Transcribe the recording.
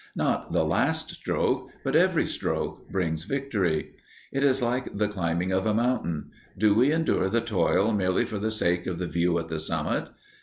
Not the last stroke, but every stroke brings victory! It is like the climbing of a mountain. Do we endure the toil merely for the sake of the view at the summit?